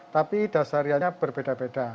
tapi dasarannya berbeda beda